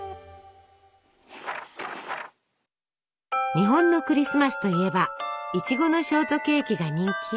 日本のクリスマスといえばいちごのショートケーキが人気。